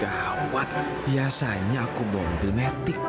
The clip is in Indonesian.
tuh gawat biasanya aku bawa mobil metik